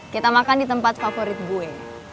kita makan di tempat favorit gue